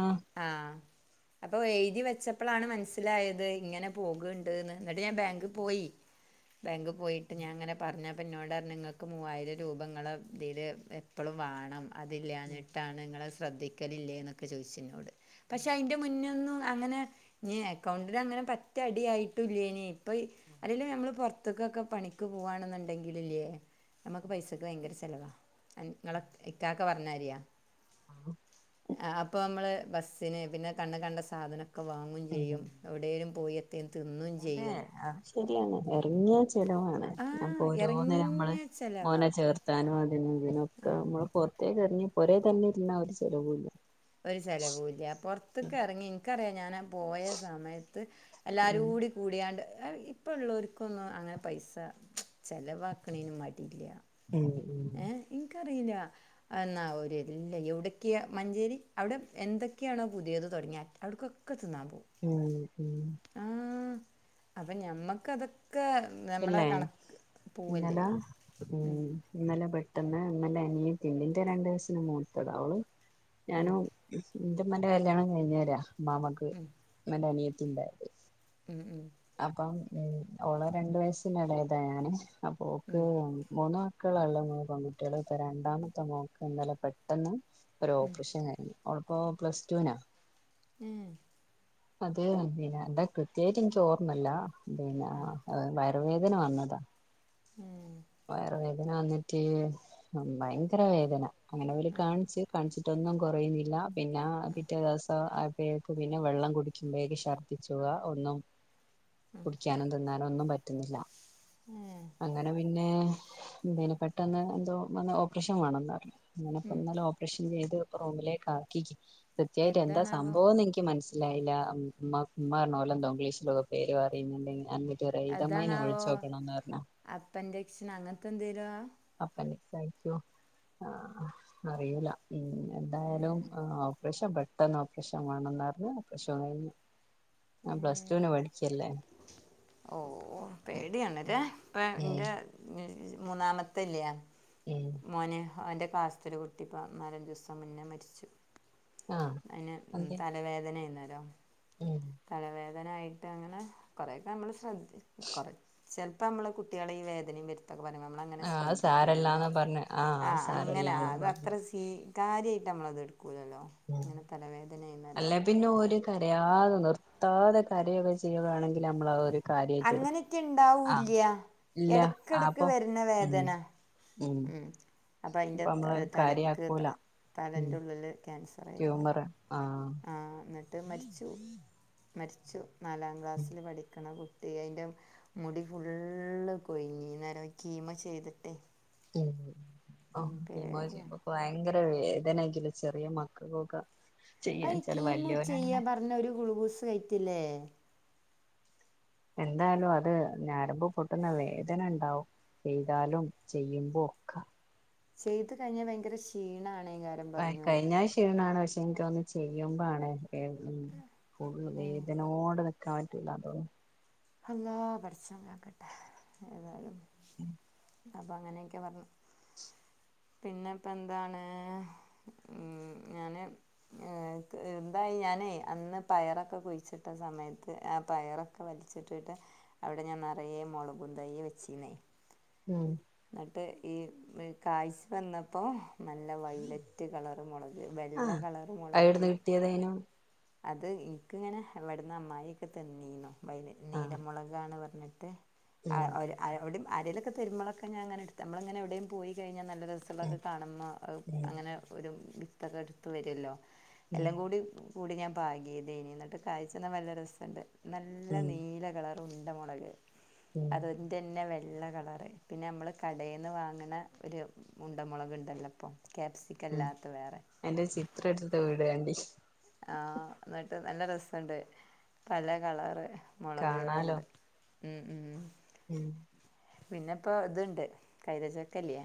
ആഹ് ആഹ് അപ്പൊ എഴുതിവെച്ചപ്പാലാണ് മനസ്സിലായത് ഇങ്ങനെ പോക്കണ്ണ്ടുന്ന്‌ ഇന്നിട് ഞൻ ബാങ്കിപ്പോയി ബാങ്ക് പോയിട്ട് ഞാൻ ഇങ്ങനെ പറഞ്ഞപ്പോ ഇങ്ങക്ക് മൂവായിരം രൂപ ഇങ്ങളെ ഇതീല് ഏ എപ്പളും വാണം ഉം അതില്ലായിട്ടാണ് ഇങ്ങള് ശ്രദ്ധിക്കലില്ലേന്നൊക്കെ ചോയ്ച്ചിന്ന്‌ [unintelligible] പക്ഷെ അയിന്റെ മുന്നൊന്നും അങ്ങനെ. ഇനി അകൗണ്ടിൽ അങ്ങനെ പാറ്റ അടിയായിട്ടില്ലെന് ഇപ്പൊ ഇ അല്ലേലും നമ്മള് പോറ എടുത്തുകൊക്കെ പണിക്ക് പോവാണ്ണ്ണ്ടാക്കിലെ നമ്മക്ക് പൈസക്ക് ഭയങ്കര ചെലവാ ആയിൻ ഇങ്ങളെ ഇക്കക്കെ പറഞ്ഞരിയാ ആഹ് അപ്പമ്മള് ബസ്സിന് പിന്നെ കണ്ണ്ക്കണ്ട സാധനം ഒക്കെ വാങ്ങും ഉം ചെയ്യും ഉം എവിടേലും പോയി എത്തേലും തിന്നും അതെ ചെയ്യും. അത് ശരിയാണ് എറങ്ങിയാ ചെലവാണ് ആ ഞാ, അപ്പോ ഓരോന്നിന് നമ്മള് ഇറങ്ങിയ ചിലവാ ഓനെ ചേർത്താനും അതിനും ഇതിനൊക്കെ ആവുബോ. പൊർത്തേക്കെറങ്ങി പോരേതന്നെ ഇരുന്ന ഒരു ചെലവൂല്ല ഒരു ചെലവൂല ഉം പൊറത്തക്കെറങ്ങ്യാ. ഇൻക്കറിയാ ഞാനാ പോയ സമയത്ത് ഉം എല്ലാരൂടി. കുടിയാണ്ട് ഏ ഇപ്പോള്ളോർക്കൊന്നും അങ്ങനെ പൈസ ച്ച് ചെലവാക്ക്ണീന് മടില്ല ഉം ഉം ഇൻകറീലാ. അതെന്നാ ഒര്തില്ല. എവിടൊക്കെയാ, മഞ്ചേരി അവ്ടെ എന്തൊക്കെയാണോ പുതിയേത് തൊടങ്ങിയേ. അവിടൊക്കെകെ തിന്നാ ഉം ഉം അപ്പൊ ഞമ്മക്കത് കേറ് ന്താ ഇല്ലേ ഇന്നല ഉം ഇന്നലെ ഇബ പെട്ടെന്ന് ഉമ്മാന്റെ അനിയത്തി ഇണ്ട്, ഇന്റെ രണ്ട് വയസ്സിന് മൂത്തതാ ഓള് ഉം ഞാനും ഇന്റമ്മന്റെ കല്യാണം കഴിഞ്ഞേരാ മാമാക്ക് ഇമ്മന്റെ അനിയത്തി ഇണ്ടായേ ഉം ഉം. അപ്പം ഉം ഓളെ രണ്ട് വയസ്സിനെളേതാ ഞാന് അപ്പോ ഓൾക് ഉം മൂന്ന് മാസ മക്കളാള്ള് മൂന്ന് പെങ്കുട്ട്യോള് തരാന്, രണ്ടാമത്തെ മോക്ക് ഇന്നലെ പെട്ടെന്ന് ഒര് ഓപ്പറേഷൻ കഴിഞ്ഞു. ഓളുപ്പോ പ്ലാസ്റ്റുനാ ഉം അത് പിന്നെ എന്താ കൃത്യായിട്ടി ഇൻക്ക് ഓർമ്മല്ല പിന്നാ വയറ് വേദന വന്നതാ ഉം വയറ് വേദന വന്നിട്ട് ഭയങ്കര വേദന അങ്ങനോല് ആഹ് കാണിച്ച് കാണിച്ച്ട്ടൊന്നും കൊറയ്ന്നില്ല. പിന്ന പിറ്റേ ദിവസം ആയ പ്പേക്ക് പിന്നെ വെള്ളം കുടിക്കുമ്പൊയേക്ക് ഛർദ്ദിച്ചോക. ഒന്നും കുടിക്കാനും തിന്നാനൊന്നും പറ്റുന്നില്ല. ഏഹ് അങ്ങനെ പിന്നെ എന്തേനു പെട്ടെന്ന് എന്തോ വന്ന് ഓപ്പറേഷൻ വേണന്ന് പറഞ്ഞ് ഉം അങ്ങനെപ്പന്നലെ ഓ ഒറേഷൻ ചെയ്ത് റൂമിലേക്കാക്കീക്ക് കൃത്യായിട്ടെന്താ എന്താണാവോ സംഭവംന്ന് ഇൻക്ക് മനസ്സി ഇല്ല ഇല്ല ഉം ഉമ്മ ഉമ്മാ പറഞ്ഞപോലെ എന്തോഗ്ലീഷിലൊക്കെ പേര് പറിയുന്നുണ്ടെങ്കി റെയ്തമ്മായിനെ വിളിച്ചു നോക്കണന്ന് പറഞ്ഞേ അപ്പന്റെക്ഷനാ അങ്ങൻത്തെ എന്തേലുവാ അപ്പൻ്റിക്സ് ആയിരിക്കോ ആഹ് അറിയുല്ല. പിന്നെന്തായാലും ഓപ്പറേഷൻ പെ ട്ടെന്ന് ഓപ്പറേഷൻ വേണന്നു പറഞ്ഞ് ഓപ്പറേഷൻ കഴിഞ്ഞ് ഞാൻ പ്ലസ്ടുവിന് പഠിക്കല്ലേ ഓഹ് പേടിയാണല്ലേ ഇപ്പൊ ഉം എൻ്റെ ന് മൂന്നാമത്തെല്ലെ ഉം മോന് അവന്റെ ക്ലാസ് ത്തൊരു കുട്ടി പതിനാലഞ്ചു ദിവസം മുന്നേ മരിച്ചു. ആഹ് അയിന് അതെ തല ര വേദനേന്നേരം ഉം തലവേദന ആയിട്ട് അങ്ങനെ കുറെയൊക്കെ നമ്മൾ ശ്രദ്ധി കുറ ചെലപ്പെ നമ്മള് കുട്ടികളെ ഈ വേദനയും വരു ഇതൊക്കെ പറയുമ്പോ നമ്മളങ്ങനെ ആഹ് അത് ശ്രദ്ധിക്കൂലല്ലോ സാരല്ലാന്ന് പറഞ്ഞ് അത് ആഹ് അങ്ങനെ സാരല്ലാന്നും പറഞ്ഞ് അതത്ര സീ ഈ കാര്യായിട്ടമ്മള് അത് എടുക്കുല്ലല്ലോ ഉം അല്ലെ പിന്നെ ഓര് കരയാതെ നിർത്താതെ കരയൊക്കെ ചെയ്യുകയാണെങ്കില് മ്മള് ആഹ് പർയു കാര്യായിട്ട് എടുക്കും. അങ്ങനെയൊക്കെ ആ ഉണ്ടാവില്ല ഇല്ല ഇടക്കിടക്ക് ആപ്പൊ വരുന്ന ഉം ഉം അപ്പൊ അയിന്റെ ഇപ്പൊ ത നമ്മള് തലക്ക് കാര്യാക്കൂല ഉം തലെന്റെ ഉള്ളിൽ ക്യാൻസറായി ട്യൂമർ ആഹ് ആഹ് എന്നിട്ട് മരിച്ചു. മരിച്ചു നാലാം ക്ലാസ്സിൽ പഠിക്കണ കു ട്ട് അയ്ന്റെ മുടി ഫുള്ള് കൊഴിഞ്ഞ് അന്നേരം കീമോ ചെയ്തട്ടെ ഉം കീമോ പേടിയാണ് ചെയ്യുമ്പൊ ഭയങ്കര വേദനയായിരിക്കില്ലെചെറിയ മക്കൾക്കൊക്കെ ചെയ്യാൻ അയി വെച്ചാല് കീമോ ചെയ്യാ വല്യോലന്നെ പർഞ്ഞ ഒരു ഗ്ലൂക്കോസ് കേറ്റുല്ലേ എന്തായാലും അത് ഞരമ്പ് പൊട്ടുന്ന വേദന ഉണ്ടാവും. ചെയ്താലും ചെയ്യുമ്പോ ഒക്കെ ചെയ്തു കഴിഞ്ഞാ ഭയങ്കര ക്ഷീണ ആണെ കാ ഭായ് കഴിഞ്ഞാ ക്ഷീണാണ് പക്ഷെ എനിക്കു തോന്നും ചെയ്യുമ്പോ ആണെന്ന് വേ ഉം ഫുള്ള് ഉം വേദനയോട് നിക്കാൻ പറ്റൂല്ല തോന്നും. അള്ളാ പടച്ചോൻ കാക്കട്ടെ. ഏതായാലും അപ്പൊ അങ്ങനെയൊക്കെ പറഞ്ഞു. പിന്നെ ഇപ്പ എന്താണ് ഞാന് ഏക്ക് ന്തായി ഞാനേ അന്ന് പയറൊക്കെ കുഴിച്ചിട്ട സമയത്ത് ആഹ് പയറൊ ഒക്കെ വലിച്ചിട്ടിട്ട് അവിടെ ഞാൻ നിറയെ മുളകും തൈ വെച്ചീന്നേ. ഉം എന്നട്ട് ഈ കായ്ച്ച് വന്നപ്പോ നല്ല വൈലറ്റ് കളർ മുള വെള്ള കളർ മുളക് ഏതേനു അത് ഇൻക്ക് ഇങ്ങനെ എവിടുന്ന് അമ്മായി ഒക്കെ തന്നീനു ആഹ് നീലമുളകാന്ന് പറഞ്ഞിട്ട് ആഹ് ഉം ഓര് അഹ് വിടിം ആരേലൊക്കെ തരുമ്പോളൊക്കെ ഞാൻ ങ്ങനെടുത്ത് നമ്മളങ്ങനെ എവിടെയും പോയി കഴിഞ്ഞാ നല്ല രസ ഉം എള്ളോക്കെ കാണുമ്മേ അഹ് ഉം അങ്ങനെ ഒരു വിത്തൊക്കെ എടുത്തു വരുല്ലോ ഉം എല്ലാം കൂടി കൂടി ഞാൻ പാകിയതേനി എന്നിട്ട് കായ്ച്ചു വന്നപ്പോ നല്ല രസോണ്ട് നല്ല ഉം നീല കളർ ഉണ്ട മുളക് ഉം അത് തന്നെ വെള്ള കളറ്. പിന്നെ നമ്മൾ കടേന്ന് വാങ്ങണ ഒരു ഉണ്ട മുുളക് ണ്ടല്ലോ ഇപ്പം. ക്യാപ്സിക്കം അല്ലാത്ത വേറെ അയ്ന്റെ ചിത്രം എടുത് വിടേണ്ടി ആഹ് ന്നട്ട് നല്ല രസണ്ടേഞ് പല കളറ് കാണാലോ മുളകുകളുണ്ട് ഉം ഉം ഉം പിന്നെ ഇപ്പോ ഇതുണ്ട് കൈതചക്ക ഇല്ലേ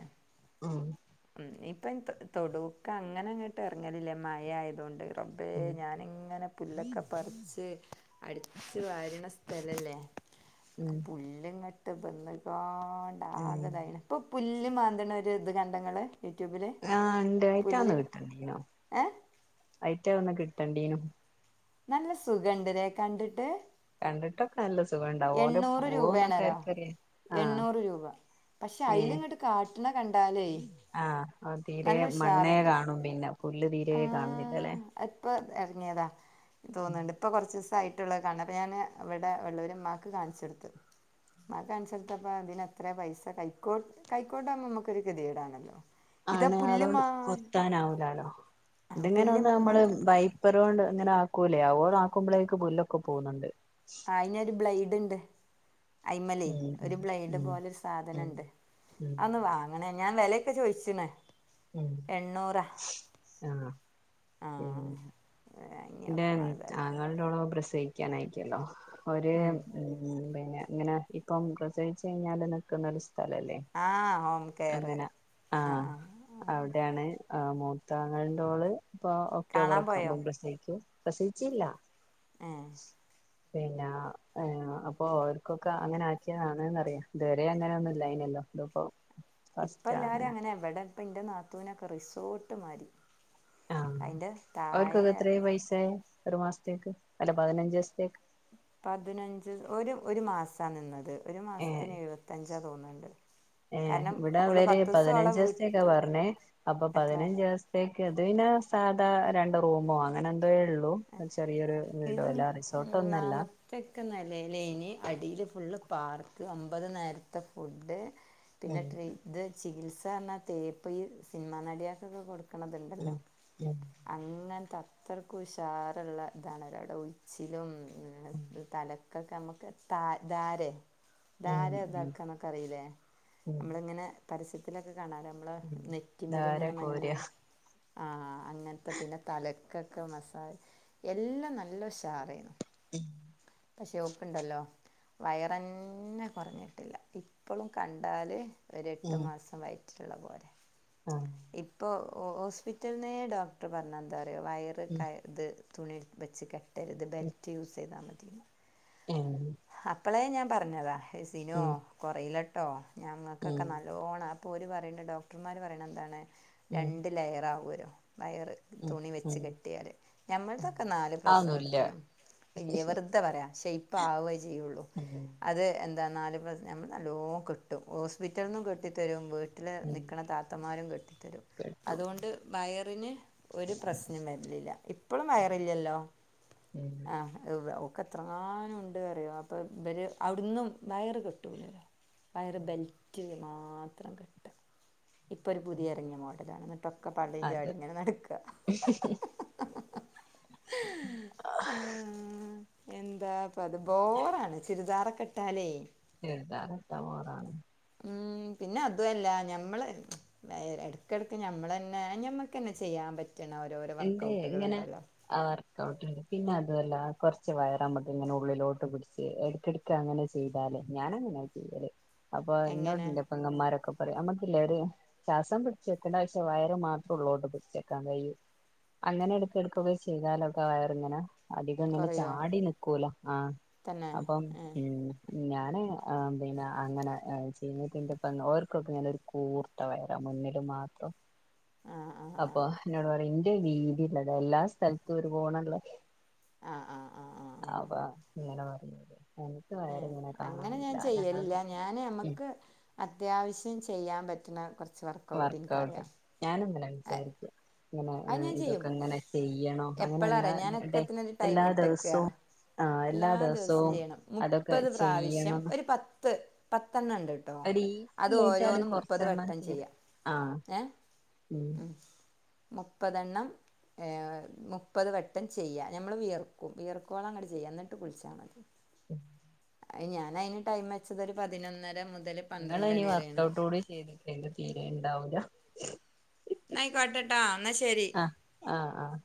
ആഹ് ഉം ഇപ്പൊ തൊടുക്കെ അങ്ങനെ അങ്ങോട്ട് ഇറങ്ങലില്ലേ മഴ ആയതുകൊണ്ട് റബ്ബേ ഉം ഞാനിങ്ങനെ പുല്ലൊക്കെ പറച്ച് അടിച്ച് വാരണ സ്ഥലല്ലേ ഉം പുല്ല്ങ്ങട്ട് ബന്നുകാണ്ട് ഉം ആകേഇതായിനി ഇപ്പോൾ പുല്ല് മാന്തണ ഒരു ഇത് കണ്ടോ ഇങ്ങള് യൂട്യൂബില് ആഹ് ഉണ്ടായിട്ടാണോ ഒന്ന് കിട്ടണ്ടീനോ ഏഹ് ഐറ്റ ഒന്ന് കിട്ടണ്ടീനോ നല്ല സുഖണ്ട് ലേ കണ്ടിട്ട് കണ്ടിട്ടൊക്കെ നല്ല സുഖണ്ടാവും ഓന്റെ എണ്ണൂറ് പോവോന്നൊക്കെ രൂപയാണേലോ ആർക്കറിയാ ആഹ് എണ്ണൂറ് രൂപ പക്ഷെ ഏഹ് അയില് ഇങ്ങോട്ട് കാട്ടണ കണ്ടാലേ ആഹ് തീരെ നല്ല മണ്ണയെ ഉഷാറുണ്ട് കാണും പിന്നെ പുല്ല് തീരെ കാണുന്ന ഇല്ലല്ലേ അഹ് ഇപ്പോ ഇറങ്ങിയതാ തോന്നുന്നുണ്ട് ഇപ്പൊ കുറച്ച് ദിവസ് മുള്ള കണ്ടപ്പ ഞൻ ഇവിടെ ഉള്ള ഒരു ഉമ്മാക്ക് കാണിചൊടുത്ത് അത്‌ അനുസരിച്ചപ്പ അതിനത്ര പൈസ [unintelligible] കൈക്കോട്ടാ നമുക്കൊരു ഒരു ഗതികേട് ആണല്ലോ ആണ് അതൊണ്ട് കൊത്താനാവൂലാലോ ആ ഇതിങ്ങനെ പുല്ല് ഒന്ന് മാത്രം നമ്മള ഇപ്പരൊണ്ട് ഇങ്ങനെ ആക്കൂലേ അവരാക്കുമ്പോഴേക്ക്‌ പുല്ലൊക്കെ പോകുന്നുണ്ട് അയിനൊരു ബ്ലെയഡ് ഉണ്ട് അയിന്മേലേ ഉം ഒരു ബ്ലേഡ് ഉം പോലെരു ഉം സാധനുണ്ട് ഉം അന്ന് വാ അങ്ങനെ ഞാൻ വിലയൊക്കെ ചോദിച്ചണേ ഉം ആഹ് പിന്നെ ആഹ് [unintelligible] വാങ്ങി വെക്കണം ഏതായാലും [unintelligible] പ്രസഹിക്കാനായിരിക്കല്ലോ ഒരേ ഉം ഉം പിന്നെ അങ്ങനെ ഇപ്പം പ്രസചിച്ച കഴിഞ്ഞാൽ നിക്കുന്ന ഒരു സ്ഥലല്ലേ ആഹ് ഹോം കെയർ അങ്ങനെ ആഹ് ആഹ് അവിടെയാണ് മൂത്താങ്ങളന്റെഓള് ഇപ്പൊ ഒക്ടോബറ കാണാൻ ഒക്കെ പോയോ ആവുമ്പോം പ്രസവിക്കും പ്രസവിച്ചില്ല ആഹ് പിന്നെ അപ്പോ ഓർക്കൊക്കെ അങ്ങനെ ആക്കിയതാണ്ന്നറിയാം ഇതുവരെ അങ്ങനെ ഒന്നും ഇല്ലയനലോ ഇതിപ്പോ ഇപ്പ എല്ലാരും അങ്ങനെ ഇവിടെപ്പന്റെ നാത്തൂവിനൊക്കെ റിസോർട്ടുമാരി ആഹ് അവർക്കൊക്കെ എത്ര പൈസായ ഒരു മാസത്തേക്ക് അല്ല പതിനഞ്ച് ദിവസത്തേക്ക് പതിനഞ്ച് ഒരു ഒരു മാസാ നിന്നത് ഒരു ഏഹ് മാസത്തിന് എഴുപത്തഞ്ചാണ് തോന്നുന്നുണ്ട് ഏഹ് ഇവിടെ അവര് പതിനഞ്ച് ദിവസെത്തക്ക വീട്ട് പറഞ്ഞേ അപ്പൊ എത്ര പതിനഞ്ച് ദിവസ ക്ക അത് പിന്നെ സാധാ രണ്ട് റൂമോ അങ്ങനെ എന്തോ ഉള്ളു ചെറിയൊരു വീടോ അല്ല റിസോർട്ട് ഒന്നുംല്ല തക്ക നിലയിലാനി അടിയില് ഫുള്ള് പാർക്ക് ഒമ്പത് നേരത്തെ ഫുഡ് പിന്നെ ഉം ട്ര ഇത് ചികിത്സ പറഞ്ഞാൽ തേപ്പ് ഈ സിനിമാ നടിയക്കൊക്കെ കൊടുക്കു ഉം ഉം [unintelligible] ചാറുള്ള ഇതാണ് ഉഴിച്ചിലും ഉം തല [unintelligible] നമുക്ക് ത ധാര ഉം ഇതാര ഉം ഇതാക്കാ എന്നൊക്കെ അറിയില്ലേ ഉം നമ്മള ഇങ്ങനെ പരസ്യത്തിലൊക്കെ കാണാറ ഉം നെറ്റിമേലെ ധാര ഇങ്ങനെ കോര മഞ്ഞൾ ആഹ് അങ്ങനത്തെ പിന്നെ തലക്കൊക്കെ മസാജ് എല്ലാം നല്ല ഉഷാറായിരുന്നു [unintelligible] പക്ഷെ ഓൾക് ഉണ്ടലോ വയർന്നെ കുറഞ്ഞിട്ടില്ല ഇപ്പോഴും കണ്ടാല് ഒരു എട്ട് ഉം മാസം വയറ്റിലുള്ള പോലെ ആഹ് ഇപ്പോൾ ഹോസ്പിറ്റലിന്നേ ഡോക്ടർ പറഞ്ഞാ എന്താന്ന് അറിയോ വയറ് ക ഉം ഇത് തുണി വെച്ച് കെട്ടരുത് ഇത് ബെൽറ്റ് യൂസ് ചെയ്താൽ മതീന്നാ ഉം അപ്പളേ ഞാൻ പറഞ്ഞതാ എ ഉം സിനോ ഉം കൊറയിലട്ടോ ഞങ്ങൾക്കൊക്കെ ഉം നല്ലോണം പ്പോര് പറയണ ഡോക്ടർമാർ പറയണ എന്താണ് ഉം രണ്ട് ലയറാവോലൊ വയറ്. തുണി വെച്ച് ഉം കെട്ടിയാല് ഉം ഞമ്മൾതൊക്കെ നാല് അതൊന്നുല്ല പ്രസവത്തിനും വവർ ഇത്ര പറയാ ഷേപ്പ് ആവുകേ ചെയ്യുള്ളൂ. ഉം. അത് എന്താെന്നാല് പാസ് നമ്മൾ നല്ലോ കെട്ടു ഹോസ്പിറ്റലിൽ നിന്നും കെട്ടി തരും വ് ഉം നിക്കണേ താന്മാരു കെട്ടിരും കേട്ടു അതൊ ഒണ്ട് വയറിന് ഒരു പ്രശ്നം വർന്നില്ല ഇപ്പോഴു വയറില്ലല്ലോ ഉം ആഹ്‌ വെ ഒക്ക എത്രങ്ങാനു ഉ പറിയോ അപ്പൊ ഇവര് അവിടന്നും വയറ് കെട്ടൂല്ലല്ലോ വയറ് ബെൽറ്റ് മാത്രം കെട്ട. ഇപ്പൊ ഒരു പുതിയ ഇറങ്ങിയ മോഡലാണ് എന്നിട്ടൊക്കെ പള്ളിയയും അത് ചാടി ഇങ്ങനെ നടക്ക ആഹ്‌ എന്താ പത് ബോറാണ് ചുരിദാറകെട്ടാലേ എഴുതാകത്തമോറാണ് ഉം പിന്നെ അതുവല്ല ഞമ്മള് ച്ച്. എട്കെടക്ക് ഞമ്മളന്നെ ഞമ്മക്ക്ന്നെ ചെയ്യാൻ പ ജനാരോരം എന്തേ എങ്ങനെ ആ വർക്കഔട്ട്ണ്ട് പിന്നെ അതല്ല കുറച്ച് വയറ അമ്മക്ക് ഇങ്ങന ഉള്ളിലോട്ട് പിടിച്ച് എട്ക്കെട് ക്ക് അങ്ങനെ ചെയ്താല് ഞാൻ അങ്ങനെ ചെയ്യല് അപ്പൊ എന്നോട് എങ്ങനെ തൊ പെങ്ങമാരൊക്കെ പരം അമ്മക്കിലൊര്. ശ്വാസം പിടിച്ച് വെക്കു നിട്ട് ഏഷം വയര് മാത്രേ ഉള്ളോട്ട് പിടിച്ചക്കാൻ കയ്യു. അങ്ങനെ എട്ക്കെട്ക്ക് ചെയ്താലോക്കെ വയറിങ്ങനെ അതികം അങ്ങനെ കുറയോ ചാടി നിക്കൂലോ ആഹ്‌ തന്നെ അപ്പം ഏഹ് മ്. ഞാന് ആ പിന്നെ അങ്ങനെ ചെയ്യുന്നതിന്റെ പങ്ങരോക്കൊക്കെ ഇങ് കൂർത്ത വയറ മുന്നില് മാത്രോ ആഹ് ആഹ് അപ്പൊ ആഹ് എന്നോട് പറ ഇന്റെ രീതില്ലതാ എല്ലാ സ്ഥലത്തു ഒര്പോണള ആഹ് ആഹ് ആഹ് ആഹ് ആപ ഇങ്ങനെ പറയൂലെ. ഏ അങ്ങനെ ഞാൻ ചെയ്യലില്ല ഞങ്ങളുടെ ഞാന് അ ഉം മ്മക്ക് അത്യാവശ്യം ചെയ്യാൻ പറ്റുന്ന കുറച്ച് വർക്കഔട്ട് ഇനിക്കറിയാ ഞാനുങ്ങന വിചാരിക്ക. ഇങ്ങനെ അത് ഞാൻ ചെയ്യും ഇതൊക്കെ ഇങ്ങനെ ചെയ്യണോ അങ്ങനെ എല്ലാ എപ്പോഴറിയാം ഞാൻ ഒക്കത്തിനൊരു ടൈം എല്ലാ ഇട്ടേക്കുക ദിവസവു ആ എല്ലാ ദിവസവു ദിവസവും ചെയ്യണം അതൊക്കെ മുപ്പത് ചെയ്യണംന്ന് പത്തണ്ണണ്ട്. ട്ടോ ഒരു അത് ഈസിയിട്ടാണ് ഓരോന്നും മുപ്പത് കൊറച്ചെണ്ണം വട്ടം ചെയ്ത് ചെയ്യാ ആഹ് ഏ ഉം മ്. മുപ്പതെണ്ണം ഹെ മുപ്പത് വട്ടം ചെയ്യ നമ്മള് വിയർക്കു വിയർക്കുവോള അങ്ങട്ടെ ചെയ്യാം എന്നിട്ട് കുളിച്ചാതി [unintelligible] അ ഞാനായിന് ടൈം വെച്ചത് ഒരു പതിനൊന്നര മുതല് നിങ്ങള് അയിന് വർക്കഔട്ട് കൂടി ചെയ്തിട്ടന്റെ തീരെണ്ടാവൂല എന്നായിക്കട്ടട്ടാ എന്നാ ശരി ആഹ്‌ ആഹ്‌